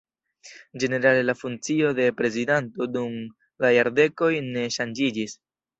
Ĝenerale la funkcio de prezidanto dum la jardekoj ne ŝanĝiĝis.